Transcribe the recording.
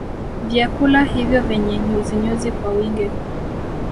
Vyakula hivyo vyenye nyuzinyuzi kwa wingi